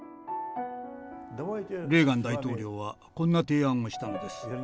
レーガン大統領はこんな提案をしたのです。